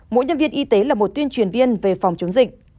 mỗi nhân viên y tế là một tuyên truyền viên về phòng chống dịch